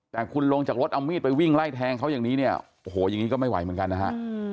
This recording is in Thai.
แต่คุณลงจากรถเอามีดไปวิ่งไล่แทงเขาอย่างนี้เนี่ยโอ้โหอย่างนี้ก็ไม่ไหวเหมือนกันนะฮะ